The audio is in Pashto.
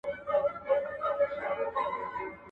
پاچهي لکه حباب نه وېشل کیږي.